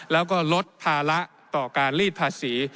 แล้วก็ลดภาระต่อการลีดภาษี